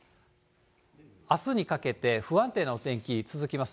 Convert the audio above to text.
あすにかけて、不安定なお天気続きます。